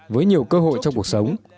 với nhiều cơ hội trong cuộc sống